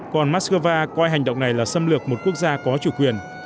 còn moscow coi hành động này là xâm lược một quốc gia có chủ quyền